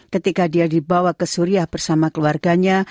ketika dia dibawa ke suriah bersama keluarganya